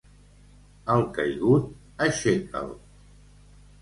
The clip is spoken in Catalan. Al caigut, aixeca'l.